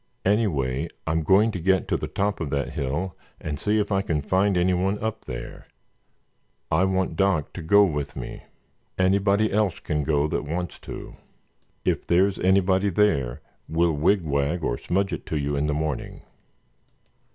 Anyway, I'm going to get to the top of that hill and see if I can find anyone up there. I want Doc to go with me. Anybody else can go that wants to. If there's anybody there we'll wigwag or smudge it to you in the morning."